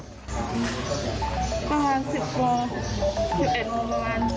ประมาณ๑๐มอง